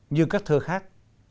như các thơ khác